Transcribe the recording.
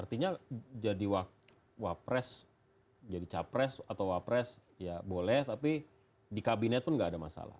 artinya jadi wapres jadi capres atau wapres ya boleh tapi di kabinet pun nggak ada masalah